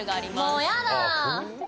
もうやだ！